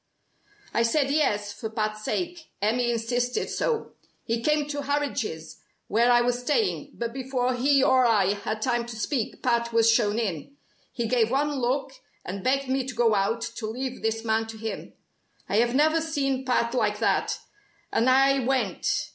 I said 'Yes' for Pat's sake Emmy insisted so. He came to Harridge's, where I was staying, but before he or I had time to speak, Pat was shown in. He gave one look, and begged me to go out to leave this man to him. I had never seen Pat like that and I went.